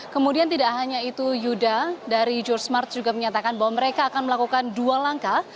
kemudian tidak hanya itu yuda dari georgemart juga menyatakan bahwa mereka akan melakukan dua langkah